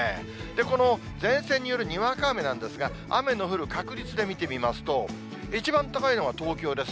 この前線によるにわか雨なんですが、雨の降る確率で見てみますと、一番高いのが東京です。